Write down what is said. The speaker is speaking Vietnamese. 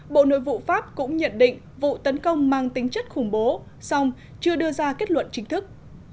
bộ nội vụ pháp cũng nhận định vụ tấn công mang tính chất khủng bố song chưa đưa ra kết luận chính thức